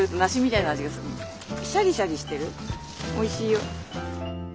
おいしいよ。